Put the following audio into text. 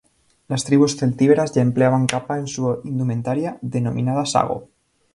Las tribus celtíberas ya empleaban capa en su indumentaria, denominada "sago".